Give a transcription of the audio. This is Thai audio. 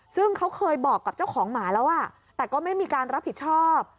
ซึ่งเขาเคยบอกกับเจ้าของหมาแล้วแต่ก็ไม่มีการรับผิดชอบ